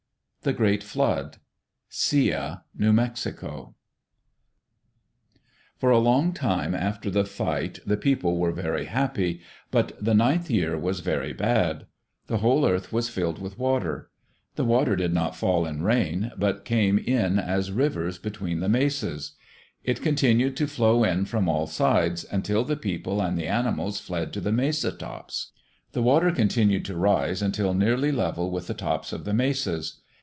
The Great Flood Sia (New Mexico) For a long time after the fight, the people were very happy, but the ninth year was very bad. The whole earth was filled with water. The water did not fall in rain, but came in as rivers between the mesas. It continued to flow in from all sides until the people and the animals fled to the mesa tops. The water continued to rise until nearly level with the tops of the mesas.